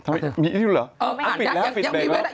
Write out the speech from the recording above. ทำอะไรมีทีหรือล่ะเออไม่อ่านแล้วปิดแบงหรือเปล่า